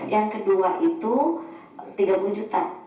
yang kedua itu tiga puluh juta